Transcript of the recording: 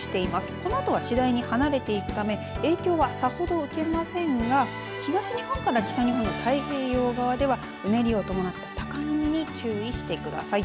このあとは次第に離れていくため影響はさほど受けませんが東日本から北日本太平洋側ではうねりを伴った高波に注意してください。